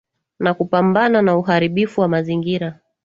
na kupambana na uharibifu wa mazingira